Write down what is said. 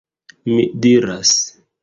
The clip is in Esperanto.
Mi diras..